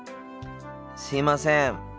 すいません。